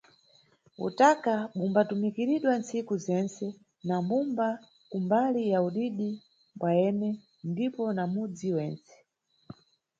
Utaka bumbatumikiridwa nntsiku zentse na mbumba ku mbali ya udidi bwayene ndipo na mudzi wentse.